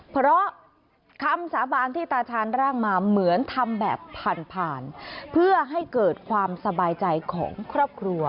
เพราะคำสาบานที่ตาชาญร่างมาเหมือนทำแบบผ่านผ่านเพื่อให้เกิดความสบายใจของครอบครัว